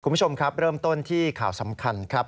คุณผู้ชมครับเริ่มต้นที่ข่าวสำคัญครับ